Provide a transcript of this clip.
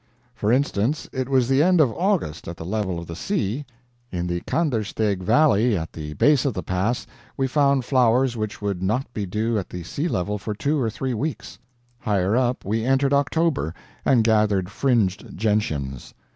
For instance, it was the end of August at the level of the sea; in the Kandersteg valley at the base of the pass, we found flowers which would not be due at the sea level for two or three weeks; higher up, we entered October, and gathered fringed gentians.